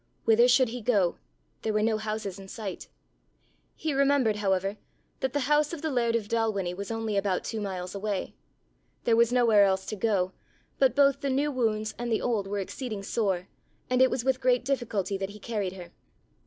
Whither should he go? There were no houses in sight. He remembered, however, that the house of the Laird of Dalwhinnie was only about two miles away. There was nowhere else to go, but both the new wounds and the old were exceeding sore and it was with great difficulty that he carried her.